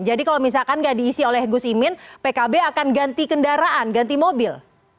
jadi kalau misalkan tidak diisi oleh gus imin pkb akan ganti kendaraan ganti mobil